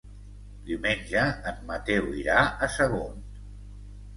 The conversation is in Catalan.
Diumenge en Mateu irà a Sagunt.